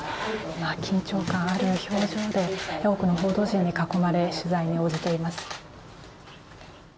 今、緊張感ある表情で多くの報道陣に囲まれ取材に応じています。